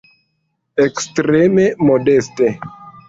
Ekstreme modeste.